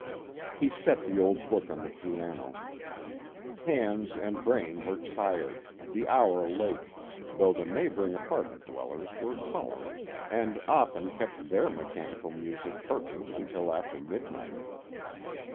He set the old book on the piano. Hands and brain were tired, the hour late, though the neighboring apartment dwellers were tolerant and often kept their mechanical music perking until after midnight.